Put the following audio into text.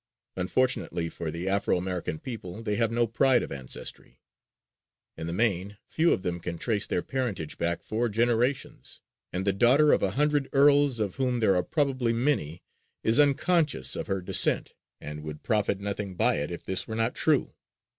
Unfortunately for the Afro American people, they have no pride of ancestry; in the main, few of them can trace their parentage back four generations; and the "daughter of an hundred earls" of whom there are probably many, is unconscious of her descent, and would profit nothing by it if this were not true.